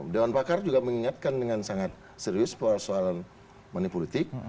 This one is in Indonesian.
dewan pakar juga mengingatkan dengan sangat serius persoalan manipolitik